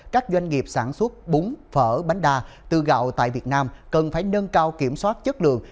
các doanh nghiệp sản xuất bún phở bánh đa từ gạo tại việt nam cần phải nâng cao kiểm soát chất lượng